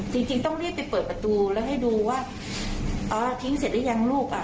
จริงจริงต้องรีบไปเปิดประตูแล้วให้ดูว่าอ๋อทิ้งเสร็จหรือยังลูกอ่ะ